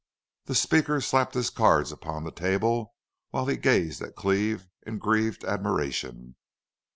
The speaker slapped his cards upon the table while he gazed at Cleve in grieved admiration.